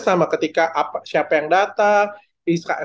sama ketika siapa yang datang